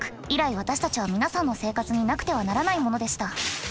以来私たちは皆さんの生活になくてはならないものでした。